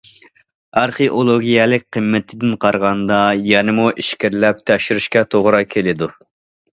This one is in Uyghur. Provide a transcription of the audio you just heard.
ئارخېئولوگىيەلىك قىممىتىدىن قارىغاندا، يەنىمۇ ئىچكىرىلەپ تەكشۈرۈشكە توغرا كېلىدۇ.